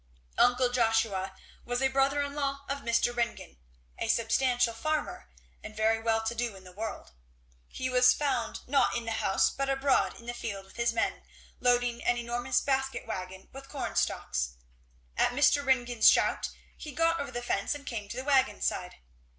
Uncle Joshua was a brother in law of Mr. Ringgan, a substantial farmer and very well to do in the world! He was found not in the house but abroad in the field with his men, loading an enormous basket wagon with corn stalks. At Mr. Ringgan's shout he got over the fence and came to the wagon side.